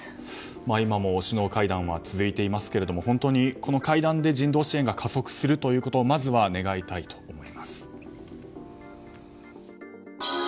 今も首脳会談は続いていますが本当にこの会談で人道支援が加速することをまずは願いたいと思います。